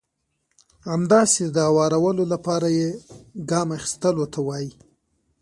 همداسې د هوارولو لپاره يې ګام اخيستلو ته وایي.